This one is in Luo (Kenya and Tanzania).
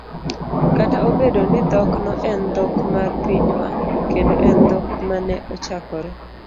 kata obedo ni dhokno en dhok mar pinywa kendo en dhok ma ne ochakore